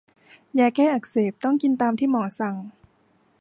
ยาแก้อักเสบต้องกินตามที่หมอสั่ง